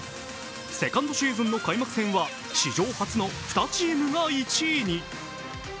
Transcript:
セカンドシーズンの開幕戦は史上初２チームが１位に。